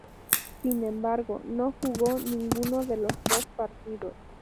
Sin embargo, no jugó ninguno de los dos partidos.